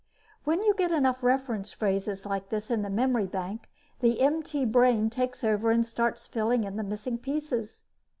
When you get enough reference phrases like this in the memory bank, the MT brain takes over and starts filling in the missing pieces.